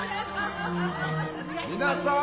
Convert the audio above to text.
皆さん！